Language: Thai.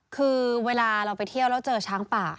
คือเวลาเราไปเที่ยวแล้วเจอช้างป่า